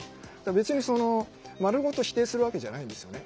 別に丸ごと否定するわけじゃないんですよね。